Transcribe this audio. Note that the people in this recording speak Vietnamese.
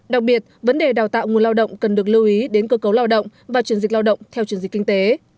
đặc biệt vấn đề đào tạo nguồn lao động cần được lưu ý đến cơ cấu lao động và chuyển dịch lao động theo truyền dịch kinh tế